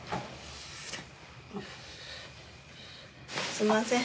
すんません。